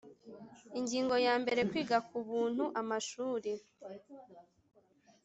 Ingingo ya mbere Kwiga ku buntu amashuri